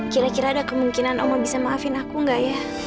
kira kira ada kemungkinan omo bisa maafin aku nggak ya